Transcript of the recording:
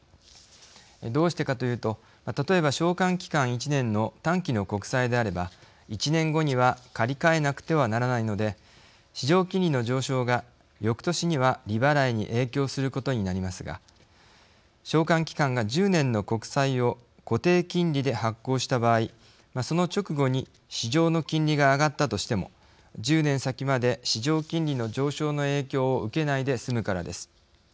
どうしてかというと例えば償還期間１年の短期の国債であれば１年後には借り換えなくてはならないので市場金利の上昇がよくとしには利払いに影響することになりますが償還期間が１０年の国債を固定金利で発行した場合その直後に市場の金利が上がったとしても１０年先まで市場金利の上昇の影響を受けないで済むからです。